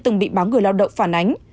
từng bị báo người lao động phản ánh